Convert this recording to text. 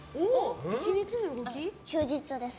休日です。